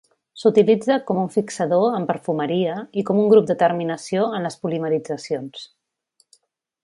S'utilitza com un fixador en perfumeria i com un grup de terminació en les polimeritzacions.